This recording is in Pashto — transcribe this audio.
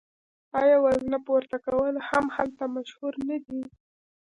آیا وزنه پورته کول هم هلته مشهور نه دي؟